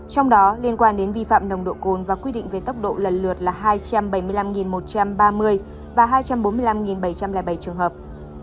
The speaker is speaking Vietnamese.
trong đó liên quan đến vi phạm nồng độ cồn và quy định về tốc độ lần lượt là hai trăm bảy mươi năm một trăm ba mươi và hai trăm bốn mươi năm bảy trăm linh bảy trường hợp